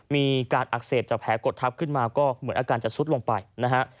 มีการอักเสบจากแผลกดทับขึ้นมาก็เหมือนอาการจะซุดลงไปนะฮะ